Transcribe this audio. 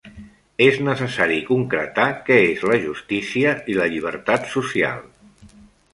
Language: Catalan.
És necessari concretar què és la justícia i la llibertat social.